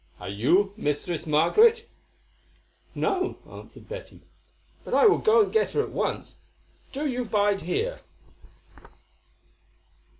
Are you Mistress Margaret?" "No," answered Betty; "but I will go to her at once; do you bide here."